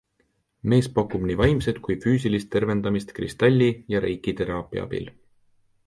Mees pakub nii vaimset kui füüsilist tervendamist kristalli- ja reikiteraapia abil.